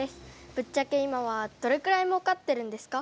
ぶっちゃけ今はどれくらいもうかってるんですか？